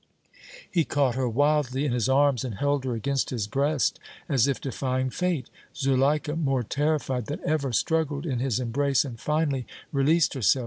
He caught her wildly in his arms and held her against his breast as if defying fate. Zuleika, more terrified than ever, struggled in his embrace and finally released herself.